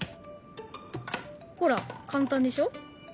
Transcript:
ほら簡単でしょ。